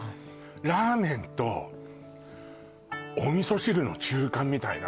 ラーメンとはいお味噌汁の中間みたいな